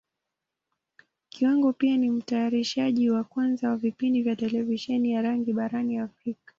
Kiwango pia ni Mtayarishaji wa kwanza wa vipindi vya Televisheni ya rangi barani Africa.